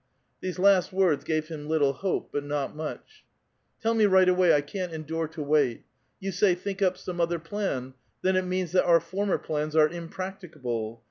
These last words gave him little hope, but not much. Tell me right away ; I can't endure to wait. You saj', ' Think up some other plan '; then it means that our former plans are impracticable.